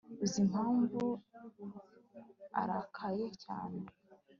uzi impamvu arakaye cyane